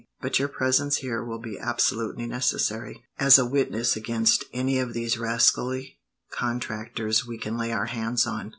But your presence here will be absolutely necessary, as a witness against any of these rascally contractors we can lay our hands on."